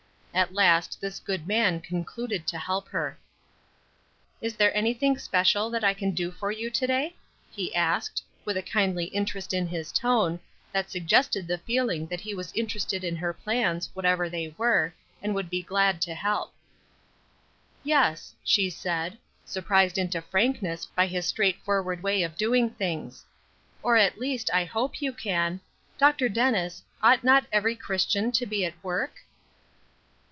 At last this good man concluded to help her. "Is there any thing special that I can do for you to day?" he asked, with a kindly interest in his tone, that suggested the feeling that he was interested in her plans, whatever they were, and would be glad to help. "Yes," she said, surprised into frankness by his straightforward way of doing things; "or, at least, I hope you can. Dr. Dennis, ought not every Christian to be at work?"